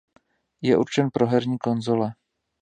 Je určen pro herní konzole.